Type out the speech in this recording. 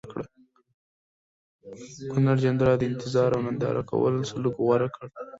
ګورنرجنرال د انتظار او ننداره کوه سلوک غوره کړ.